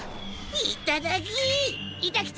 いただき！